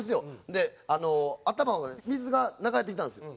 で頭水が流れてきたんですよ。